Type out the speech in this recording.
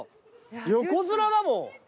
横綱だもん。